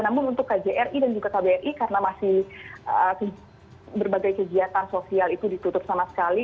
namun untuk kjri dan juga kbri karena masih berbagai kegiatan sosial itu ditutup sama sekali